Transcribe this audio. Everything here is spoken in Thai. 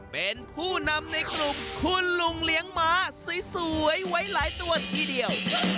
เป็นผู้นำในกลุ่มคุณลุงเลี้ยงม้าสวยไว้หลายตัวทีเดียว